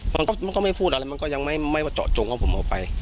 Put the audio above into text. มันก็มันก็ไม่พูดอะไรมันก็ยังไม่ไม่เจาะจงเอาผมเอาไป